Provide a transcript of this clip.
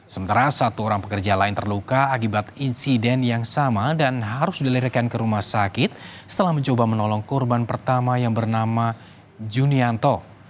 sementara satu orang pekerja lain terluka akibat insiden yang sama dan harus dilirikan ke rumah sakit setelah mencoba menolong korban pertama yang bernama junianto